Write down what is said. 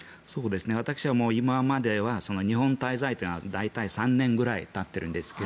私は今までは日本滞在というのは大体３年くらいたっているんですが。